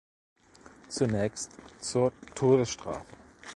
Zunächst zur Todesstrafe.